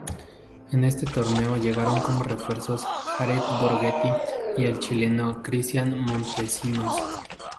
En este torneo llegaron como refuerzos Jared Borgetti y el chileno Cristián Montecinos.